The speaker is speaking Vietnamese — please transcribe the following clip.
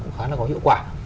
cũng khá là có hiệu quả